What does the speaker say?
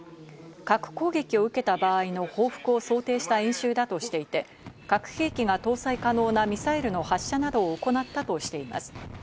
核攻撃を受けた場合の報復を想定した演習だとしていて、核兵器が搭載可能なミサイルの発射などを行ったとしています。